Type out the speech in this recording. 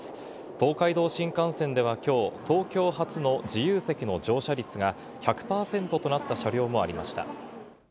東海道新幹線ではきょう、東京発の自由席の乗車率が１００％となった車両もありました。